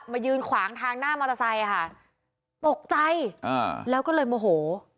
ยืนขวางทางหน้ามอเตอร์ไซค์ค่ะตกใจอ่าแล้วก็เลยโมโห